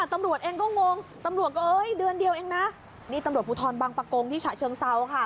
ตำรวจเองก็งงตำรวจก็เอ้ยเดือนเดียวเองนะนี่ตำรวจภูทรบังปะโกงที่ฉะเชิงเซาค่ะ